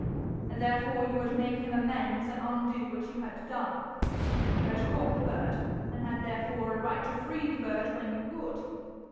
'Therefore you would make him amends and undo what you had done? You had caught the bird, and had therefore a right to free the bird when you would?